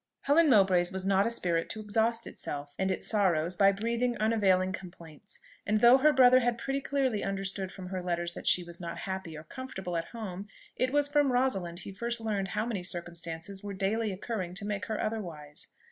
Helen Mowbray's was not a spirit to exhaust itself and its sorrows by breathing unavailing complaints; and though her brother had pretty clearly understood from her letters that she was not happy or comfortable at home, it was from Rosalind he first learned how many circumstances were daily occurring to make her otherwise.